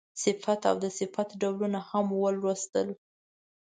صفت او د صفت ډولونه هم ولوستل.